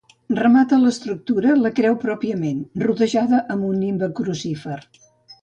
Remata l'estructura la creu pròpiament, rodejada amb un nimbe crucífer.